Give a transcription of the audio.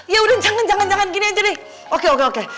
ya udah jangan jangan gini aja deh oke oke